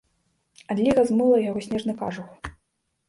Адліга змыла яго снежны кажух.